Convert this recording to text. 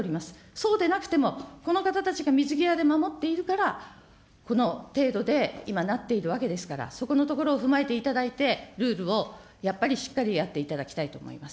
そうでなくても、この方たちが水際で守っているから、この程度で今なっているわけですから、そこのところを踏まえていただいて、ルールをやっぱりしっかりやっていただきたいと思います。